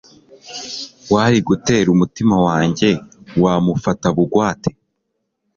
wari gutera umutima wanjye? wamufata bugwate